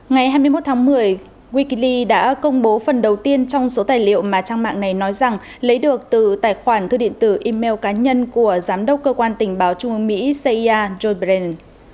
ngày hai mươi một tháng một mươi wikile đã công bố phần đầu tiên trong số tài liệu mà trang mạng này nói rằng lấy được từ tài khoản thư điện tử email cá nhân của giám đốc cơ quan tình báo trung ương mỹ cia gold bran